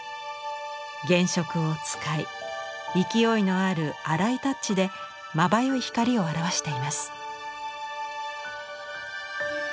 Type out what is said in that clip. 原色を使い勢いのある荒いタッチでまばゆい光を表しています。